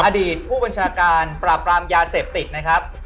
อดีตผู้บัญชาการปราบปรามยาเสพติดนะครับ